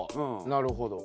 なるほど。